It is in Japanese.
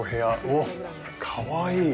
わっ、かわいい。